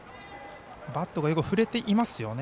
バットがよく振れていますよね。